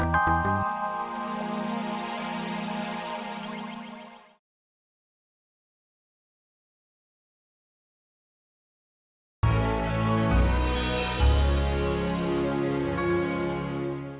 aku harus pergi